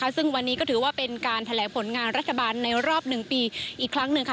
ซึ่งวันนี้ก็ถือว่าเป็นการแถลงผลงานรัฐบาลในรอบ๑ปีอีกครั้งหนึ่งค่ะ